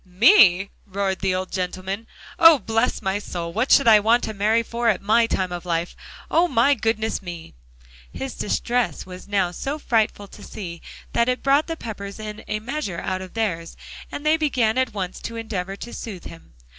"Me!" roared the old gentleman. "Oh! bless my soul, what should I want to marry for at my time of life? Oh! my goodness me." His distress was now so frightful to see, that it brought the Peppers in a measure out of theirs; and they began at once to endeavor to soothe him.